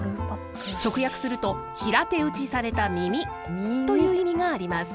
直訳すると「平手打ちされた耳」という意味があります。